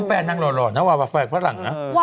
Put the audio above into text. พลอยพะทรากร